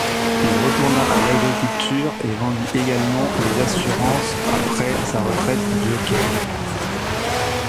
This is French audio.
Il retourna à l'agriculture et vendit également des assurances après sa retraite du hockey.